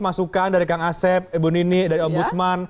masukan dari kang asep ibu nini dari om busman